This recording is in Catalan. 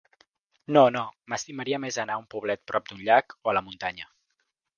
No, no, m'estimaria més anar a un poblet prop d'un llac, o a la muntanya.